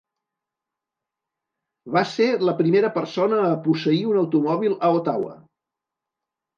Va ser la primera persona a posseir un automòbil a Ottawa.